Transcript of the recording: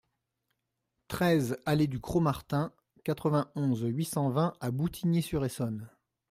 treize allée du Croc-Martin, quatre-vingt-onze, huit cent vingt à Boutigny-sur-Essonne